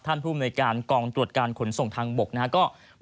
ท่านผู้บริการกองตรวจการขุนส่งทางบกนะครับ